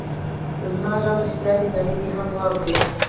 زما غږ رښتیا دی؛ نړۍ دې هم واوري.